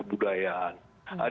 kementerian pendidikan kebudayaan